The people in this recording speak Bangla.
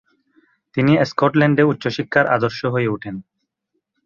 তিনি স্কটল্যান্ডে উচ্চশিক্ষার আদর্শ হয়ে ওঠেন।